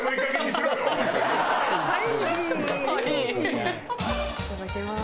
いただきます。